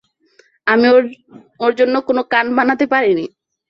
আমি ওর জন্য কোনো কান বানাতে পারিনি।